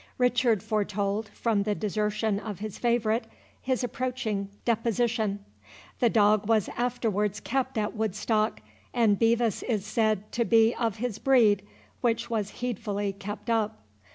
Richard foretold, from the desertion of his favourite, his approaching deposition. The dog was afterwards kept at Woodstock, and Bevis is said to be of his breed, which was heedfully kept up.